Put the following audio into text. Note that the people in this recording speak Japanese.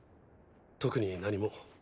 特に何も。